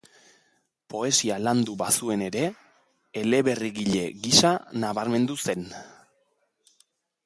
Poesia landu bazuen ere, eleberrigile gisa nabarmendu zen.